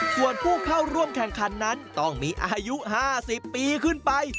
ส่วนผู้เข้าร่วมแข่งขันนั้นต้องมีอายุ๕๐ปีขึ้นไป